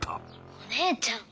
お姉ちゃん